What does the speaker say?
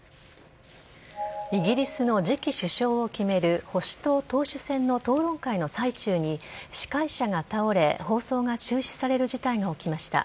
イギリスの次期首相を決める保守党党首選の討論会の最中に司会者が倒れ放送が中止される事態が起きました。